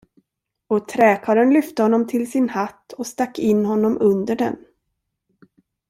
Och träkarlen lyfte honom till sin hatt och stack in honom under den.